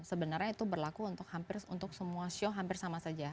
sebenarnya itu berlaku untuk hampir untuk semua show hampir sama saja